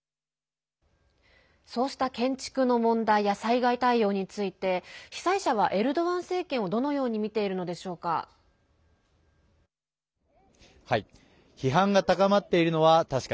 そうした建築の問題や災害対応について被災者は、エルドアン政権をどのように見ているのでしょうか。